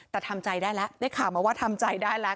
แต่ทำใจได้แล้วได้ข่าวมาว่าทำใจได้แล้ว